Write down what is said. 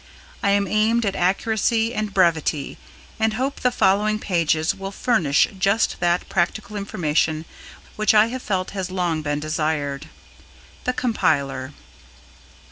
I have aimed at accuracy and brevity and hope the following pages will furnish just that practical information which I have felt has long been desired. THE COMPILER.